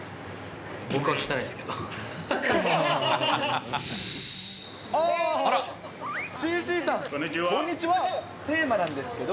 僕は汚いですけど。